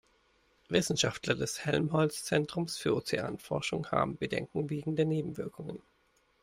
Wissenschaftler des Helmholtz-Zentrums für Ozeanforschung haben Bedenken wegen der Nebenwirkungen.